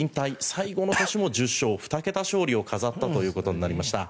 最後の年も１０勝２桁勝利を挙げたということになりました。